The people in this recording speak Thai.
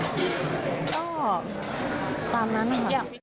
ก็ตามนั้นค่ะ